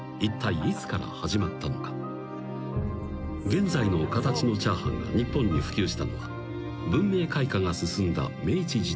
［現在の形のチャーハンが日本に普及したのは文明開化が進んだ明治時代］